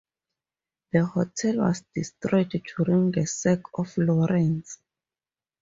The hotel was destroyed during the sack of Lawrence.